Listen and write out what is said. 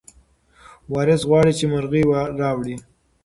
وارث غواړي چې مرغۍ راوړي.